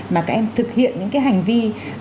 mà các em thực hiện những cái hành vi